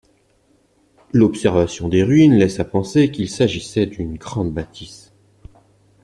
L'observation des ruines laisse à penser qu'il s'agissait d'une assez grande bâtisse.